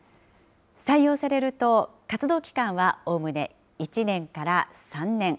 採用されると、活動期間はおおむね１年から３年。